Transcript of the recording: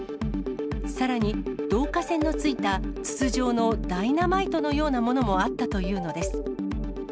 さらに、導火線のついた筒状のダイナマイトのようなものもあったというのです。